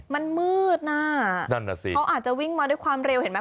มันมืดน่ะเขาอาจจะวิ่งมาด้วยความเร็วเห็นไหม